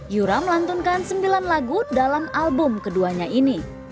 yura melantunkan sembilan lagu dalam album keduanya ini